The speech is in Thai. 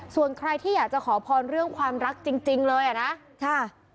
ส่วนใครที่อยากจะขอพรเรื่องความรักจริงเลยอ่ะนะค่ะ